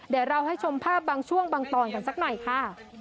เดี๋ยวเราให้ชมภาพบางช่วงบางตอนกันสักหน่อยค่ะ